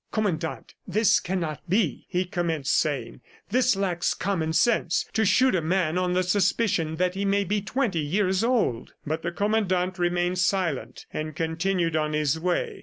"Commandant, this cannot be," he commenced saying. "This lacks common sense. To shoot a man on the suspicion that he may be twenty years old!" But the Commandant remained silent and continued on his way.